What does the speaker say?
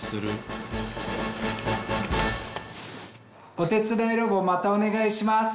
おてつだいロボまたおねがいします。